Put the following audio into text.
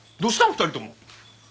２人とも。